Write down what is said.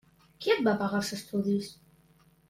Qui et va pagar els estudis?